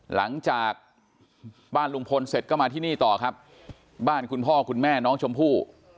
หลังจากบ้านลุงพลเสร็จก็มาที่นี่ต่อครับบ้านคุณพ่อคุณแม่น้องชมพู่